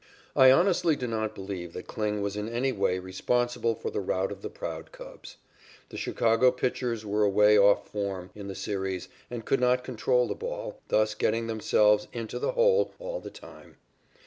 I honestly do not believe that Kling was in any way responsible for the rout of the proud Cubs. The Chicago pitchers were away off form in the series and could not control the ball, thus getting themselves "into the hole" all the time.